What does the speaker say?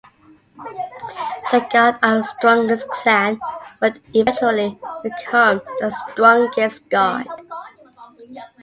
The god of the strongest clan would eventually become the strongest god.